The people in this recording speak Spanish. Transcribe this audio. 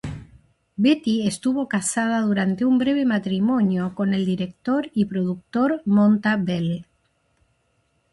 Betty estuvo casada durante un breve matrimonio con el director y productor Monta Bell.